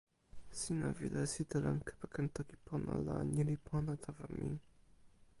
sina wile sitelen kepeken Toki Pona la ni li pona tawa mi.